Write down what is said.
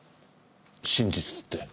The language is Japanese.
真実って？